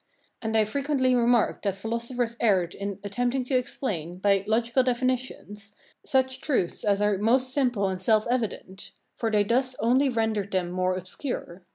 And I frequently remarked that philosophers erred in attempting to explain, by logical definitions, such truths as are most simple and self evident; for they thus only rendered them more obscure.